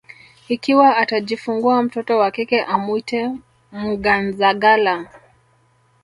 ikiwa atajifungua mtoto wa kike amwite Mnganzagala